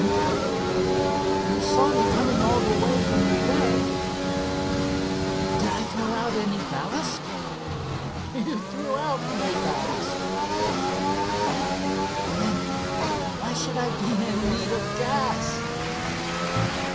SHOWING RELATIVE SIZE] "You saw me coming all the way from Neuilly," I replied; "did I throw out any ballast?" "You threw out no ballast," they admitted. "Then why should I be in need of gas?"